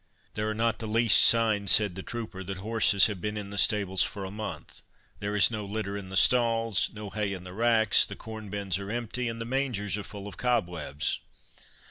"There are not the least signs," said the trooper, "that horses have been in the stables for a month—there is no litter in the stalls, no hay in the racks, the corn bins are empty, and the mangers are full of cobwebs."